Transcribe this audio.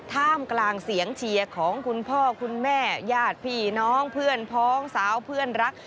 ท่ามกลางเสียงเชียร์ของคุณพ่อคุณแม่ญาติพี่น้องเพื่อนพ้องสาวเพื่อนรัก